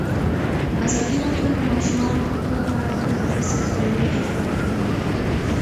ازادي راډیو د د ماشومانو حقونه په اړه پرله پسې خبرونه خپاره کړي.